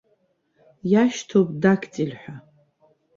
Иашьҭоуп дактиль ҳәа.